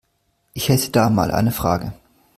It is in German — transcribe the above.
Ich hätte da mal eine Frage.